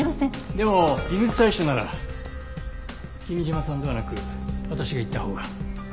でも微物採取なら君嶋さんではなく私が行ったほうが。